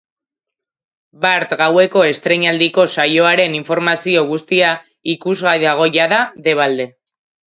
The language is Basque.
Bart gaueko estreinaldiko saioaren informazio guztia ikusgai dago jada debate.